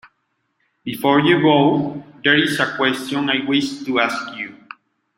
Before you go, there is a question I wish to ask you.